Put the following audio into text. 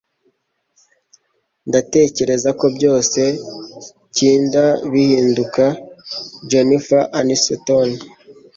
ndatekereza ko byose kinda bihinduka.” - Jennifer Aniston